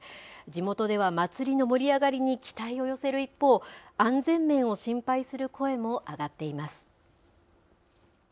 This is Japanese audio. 地元では、祭りの盛り上がりに期待を寄せる一方、安全面を心配する声も上がっています。